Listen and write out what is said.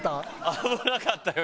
危なかったよ